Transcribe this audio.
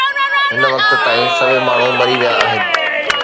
هن وقت تائين سوين ماڻهو مري ويا آهن